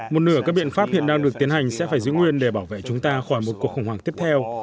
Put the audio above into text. một nửa các biện pháp hiện đang được tiến hành sẽ phải giữ nguyên để bảo vệ chúng ta khỏi một cuộc khủng hoảng tiếp theo